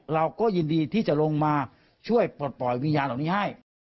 เราก็ยินดีที่จะลงมาช่วยปลดปล่อยวิญญาณเหล่านี้ให้